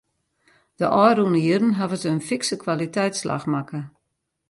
De ôfrûne jierren hawwe se in fikse kwaliteitsslach makke.